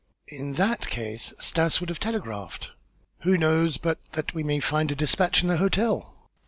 "In that case Stas would have telegraphed." "Who knows but that we may find a despatch in the hotel?"